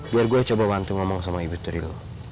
biar gue coba bantu ngomong sama ibu trio